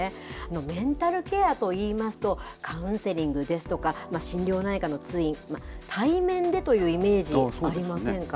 メンタルケアといいますと、カウンセリングですとか、心療内科の通院、対面でというイメージ、ありませんか？